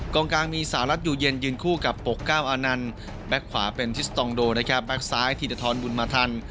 กองกลางมีสารัสอยู่เย็นยืนคู่กับปกเก้าอานันต์แบ็กขวาเป็นทิสตองโดแบ็กซ้ายที่จะท้อนบุญมาทัน